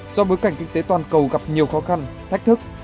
do bối cảnh kinh tế toàn cầu gặp nhiều khó khăn thách thức